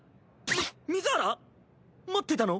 み水原⁉待ってたの？